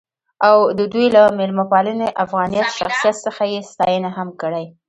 او د دوي له میلمه پالنې ،افغانيت ،شخصیت څخه يې ستاينه هم کړې.